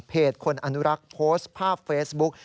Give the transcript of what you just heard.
คนอนุรักษ์โพสต์ภาพเฟซบุ๊ก